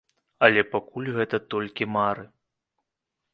Але пакуль гэта толькі мары.